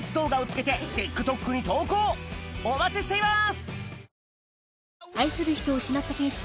お待ちしています！